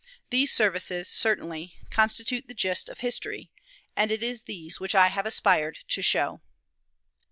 These services, certainly, constitute the gist of history, and it is these which I have aspired to show.